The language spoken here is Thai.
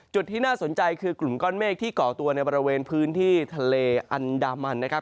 ที่น่าสนใจคือกลุ่มก้อนเมฆที่ก่อตัวในบริเวณพื้นที่ทะเลอันดามันนะครับ